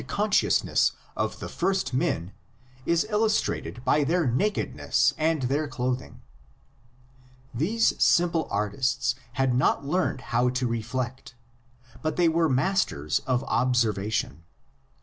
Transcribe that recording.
the consciousness of the first men is illustrated by their nakedness and their clothing. These simple artists had not learned how to reflect; but they were masters of observation.